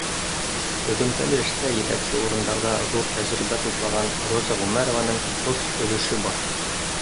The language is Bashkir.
Һөҙөмтәле эштә етәксе урындарҙа ҙур тәжрибә туплаған Роза Ғүмәрованың тос өлөшө бар.